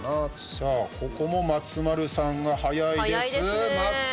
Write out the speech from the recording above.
さあ、ここも松丸さんが早いです。